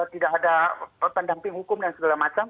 tidak ada pendamping hukum dan segala macam